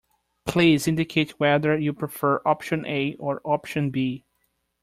Please indicate whether you prefer option A or option B